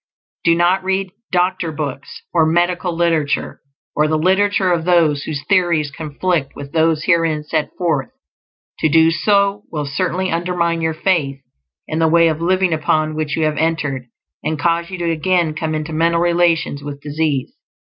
Do not read "Doctor Books" or medical literature, or the literature of those whose theories conflict with those herein set forth; to do so will certainly undermine your faith in the Way of Living upon which you have entered, and cause you to again come into mental relations with disease.